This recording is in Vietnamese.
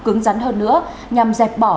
cứng rắn hơn nữa nhằm dẹp bỏ